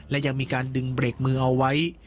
และยังมีการดึงเบรกมือเอาไว้